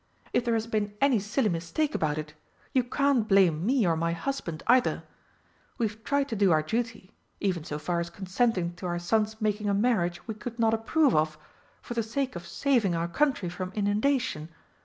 If there has been any silly mistake about it, you can't blame me or my husband either. We've tried to do our duty even so far as consenting to our son's making a marriage we could not approve of for the sake of saving our Country from inundation.